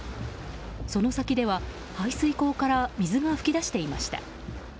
その先では排水口から水が噴き出していました。